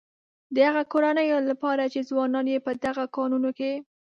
د هغه کورنيو لپاره چې ځوانان يې په دغه کانونو کې.